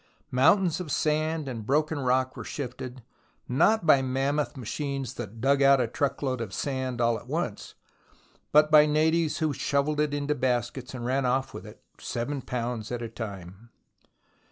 Mountains of sand and broken rock were shifted, not by mammoth machines that dug out a truck load of sand at once, but by natives who 9» 92 THE ROMANCE OF EXCAVATION shovelled it into baskets and ran off with it, seven pounds at a time